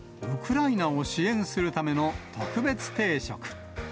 ウクライナを支援するための特別定食。